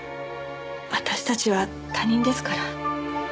私たちは他人ですから。